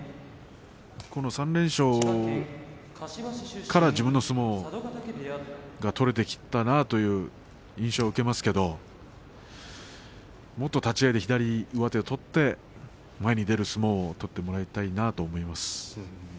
この３連勝から自分の相撲が取れてきたなという印象を受けますけれどもっと立ち合いで左上手を取って前に出る相撲を取ってもらいたいなと思います。